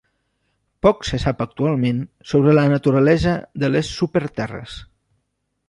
Poc se sap actualment sobre la naturalesa de les súper-Terres.